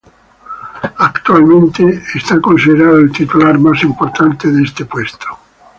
Actualmente es considerado el titular más importante de este puesto.